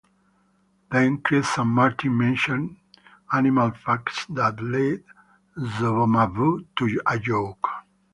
Then Chris and Martin mention animal facts that lead Zoboomafoo to a joke.